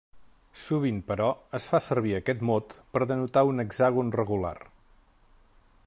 Sovint, però, es fa servir aquest mot per denotar un hexàgon regular.